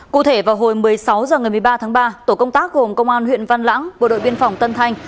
cụ thể vào hồi một mươi sáu h ngày một mươi ba tháng ba tổ công tác gồm công an huyện văn lãng bộ đội biên phòng tân thanh